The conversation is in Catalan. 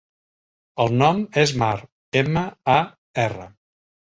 El nom és Mar: ema, a, erra.